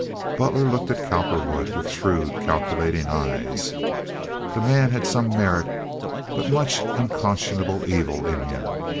Butler looked at Cowperwood with shrewd, calculating eyes. The man had some merit, but much unconscionable evil in him.